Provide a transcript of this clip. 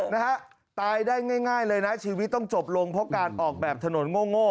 นะฮะตายได้ง่ายเลยนะชีวิตต้องจบลงเพราะการออกแบบถนนโง่